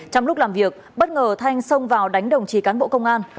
trong lúc làm việc bất ngờ thanh xông vào đánh đồng chí cán bộ công an